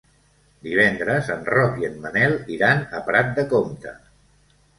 Divendres en Roc i en Manel iran a Prat de Comte.